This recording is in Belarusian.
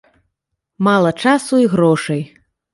Мала часу і грошай.